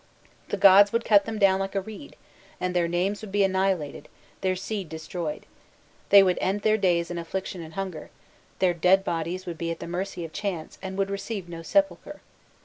The gods would "cut them down like a reed," and their "names would be annihilated, their seed destroyed; they would end their days in affliction and hunger, their dead bodies would be at the mercy of chance, and would receive no sepulture."